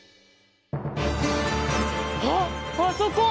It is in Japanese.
あっあそこ！